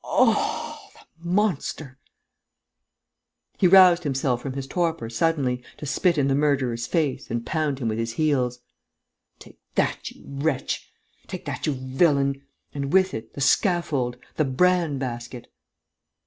Oh, the monster!..." He roused himself from his torpor, suddenly, to spit in the murderer's face and pound him with his heels: "Take that, you wretch!... Take that, you villain!... And, with it, the scaffold, the bran basket!..."